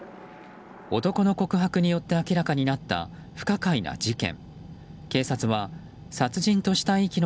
男の告白によって明らかになった不可解な事件。